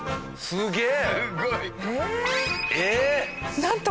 すげえ！